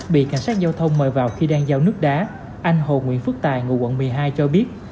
bị cảnh sát giao thông mời vào khi đang giao nước đá anh hồ nguyễn phước tài ngụ quận một mươi hai cho biết